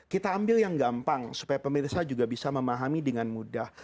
kita ambil yang gampang supaya pemirsa juga bisa memahami dengan mudah